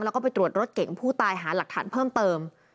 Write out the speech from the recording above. แล้วก็ไปตรวจรถเก่งผู้ตายหาหลักฐานเพิ่มเติม